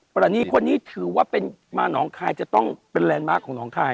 รณีคนนี้ถือว่าเป็นมาหนองคายจะต้องเป็นแลนดมาร์คของน้องคาย